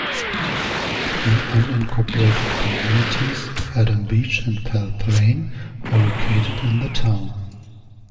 The unincorporated communities of Adams Beach and Belle Plaine are located in the town.